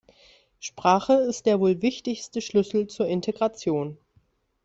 Sprache ist der wohl wichtigste Schlüssel zur Integration.